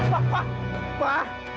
pak pak pak